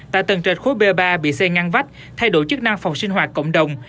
tại tầng trệt khối b ba bị xây ngăn vách thay đổi chức năng phòng sinh hoạt cộng đồng